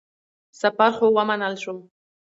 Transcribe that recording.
سفر خو ومنل شو.